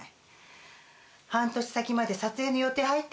半年先まで撮影の予定入ってんのよ。